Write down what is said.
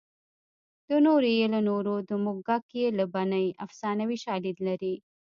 د نورو یې له نورو د موږک یې له بنۍ افسانوي شالید لري